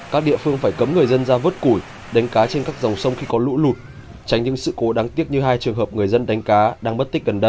các địa phương phải cấm người dân ra vớt củi đánh cá trên các dòng sông khi có lũ lụt tránh những sự cố đáng tiếc như hai trường hợp người dân đánh cá đang mất tích gần đây